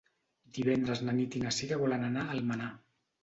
Divendres na Nit i na Sira volen anar a Almenar.